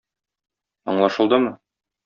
Аңлашылдымы?